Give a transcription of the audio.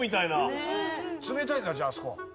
冷たいんだじゃああそこ。